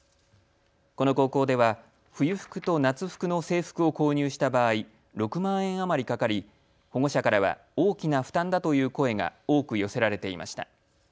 この高校では冬服と夏服の制服を購入した場合、６万円余りかかり保護者からは大きな負担だという声が多く寄せられていました。